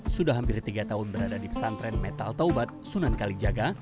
sudah hampir tiga tahun berada di pesantren metal taubat sunan kalijaga